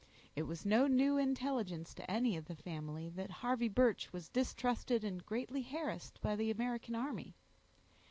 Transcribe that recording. It was no new intelligence to any of the family, that Harvey Birch was distrusted and greatly harassed by the American army.